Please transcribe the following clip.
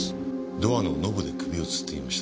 ドアのノブで首を吊っていました。